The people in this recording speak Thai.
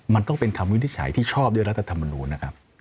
มันต้องเป็นคำวินิจฉัยที่ชอบด้วยรัฐธรรมนูญนะครับ